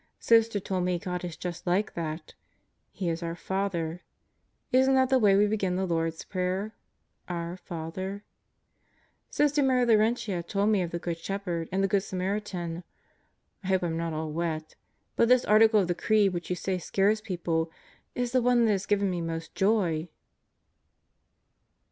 Sister told me God is just like that. He is our Father. Isn't that the way we begin the Lord's Prayer: 'Our Father ..,'? Sister Mary Laurentia told me of the Good Shep herd and the Good Samaritan. ... I hope I'm not all wet. But this Article of the Creed, which you say scares people, is the one that has given me most joy."